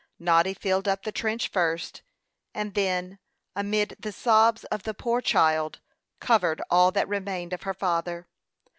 Noddy filled up the trench first, and then, amid the sobs of the poor child, covered all that remained of her father.